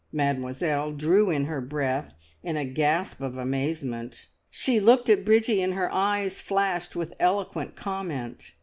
Mademoiselle drew in her breath, in a gasp of amazement. She looked at Bridgie, and her eyes flashed with eloquent comment.